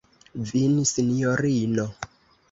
Vin, sinjorino!